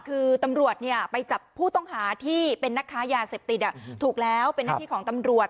คือตำรวจไปจับผู้ต้องหาที่เป็นนักค้ายาเสพติดถูกแล้วเป็นหน้าที่ของตำรวจ